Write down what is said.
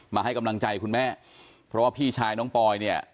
ให้กำลังใจคุณแม่เพราะว่าพี่ชายน้องปอยเนี่ย